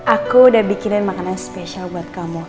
aku udah bikinin makanan yang spesial buat kamu